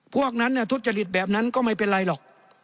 พวกนั้นทุจริตแบบนั้นก็ไม่เป็นไรหรอก